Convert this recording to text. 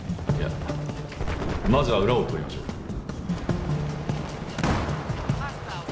いやまずは裏を取りましょう。